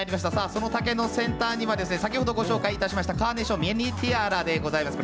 その竹のセンターには先ほどご紹介しましたカーネーションミニティアラでございます。